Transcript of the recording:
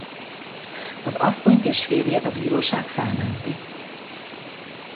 Az asszonyt és férjét a bíróság felmenti.